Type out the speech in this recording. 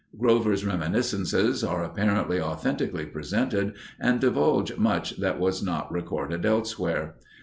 Grover's reminiscences are apparently authentically presented and divulge much that was not recorded elsewhere.